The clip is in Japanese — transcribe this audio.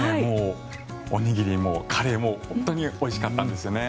おにぎりもカレーも本当においしかったんですよね。